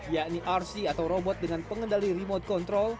yakni rc atau robot dengan pengendali remote control